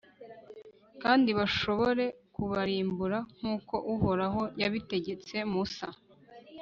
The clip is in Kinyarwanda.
kandi bashobore kubarimbura nk'uko uhoraho yabitegetse musa